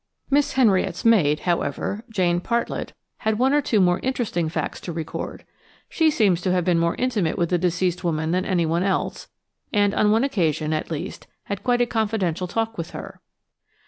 Miss Henriette's maid, however, Jane Partlett, had one or two more interesting facts to record. She seems to have been more intimate with the deceased woman than anyone else, and on one occasion, at least, had quite a confidential talk with her.